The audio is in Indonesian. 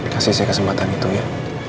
kasih saya kesempatan itu ya